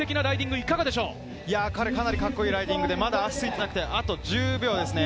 彼、かなりカッコいいライディングでまず足がついていなくて、あと１０秒ですね。